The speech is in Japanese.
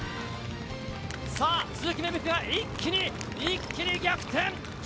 鈴木芽吹が一気に、一気に逆転！